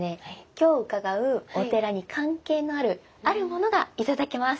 今日伺うお寺に関係のあるあるものが頂けます！